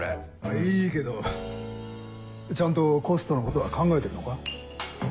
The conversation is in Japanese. いいけど。ちゃんとコストのことは考えてるのか？